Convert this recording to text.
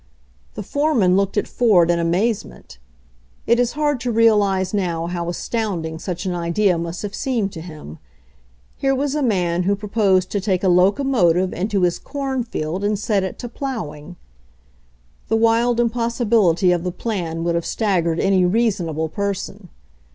The foreman looked at Ford in amazement. It is hard to realize now how astounding such an idea must have seemed to him. Here was a man who proposed to take a locomotive into his corn field and set it to plowing ! The wild impossibil ity of the plan would have staggered any rea sonable person.